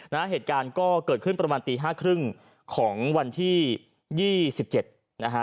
นะฮะเหตุการณ์ก็เกิดขึ้นประมาณตี๕๓๐ของวันที่๒๗นะฮะ